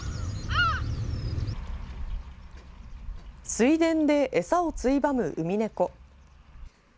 水田で、エサをついばむウミネコ。